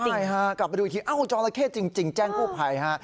นี่ฮะกลับมาดูอีกทีเอ้าจอราเข้จริงแจ้งกู้ภัยฮะ